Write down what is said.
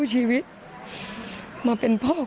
คุณพ่อครับสารงานต่อของคุณพ่อครับ